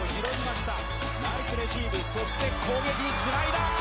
ナイスレシーブそして攻撃つないだ。